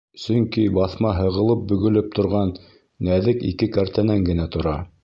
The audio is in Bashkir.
Сөнки баҫма һығылып-бөгөлөп торған нәҙек ике кәртәнән генә тора.